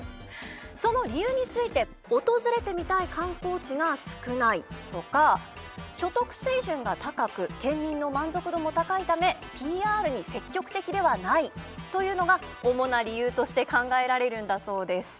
その理由について訪れてみたい観光地が少ないとか所得水準が高く県民の満足度も高いためＰＲに積極的ではないというのが主な理由として考えられるんだそうです。